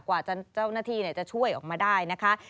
เจ้าหน้าที่จะช่วยออกมาได้นะคะ